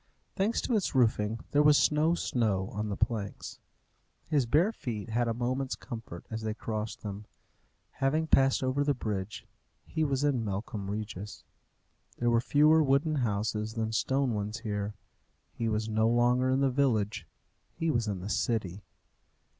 Thanks to its roofing, there was no snow on the planks. His bare feet had a moment's comfort as they crossed them. Having passed over the bridge, he was in Melcombe Regis. There were fewer wooden houses than stone ones there. He was no longer in the village; he was in the city.